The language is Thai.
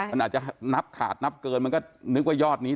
มันอาจจะนับขาดนับเกินมันก็นึกว่ายอดนี้